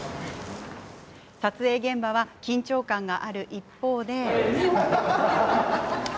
撮影現場は、緊張感がある一方。